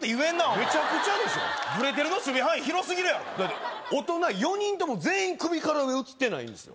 前メチャクチャでしょブレてるの守備範囲広すぎるやろだって大人４人とも全員首から上写ってないんですよ